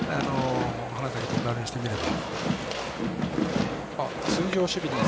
花咲徳栄にしてみれば。